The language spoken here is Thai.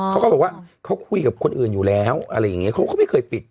เขาก็บอกว่าเขาคุยกับคนอื่นอยู่แล้วอะไรอย่างนี้เขาก็ไม่เคยปิด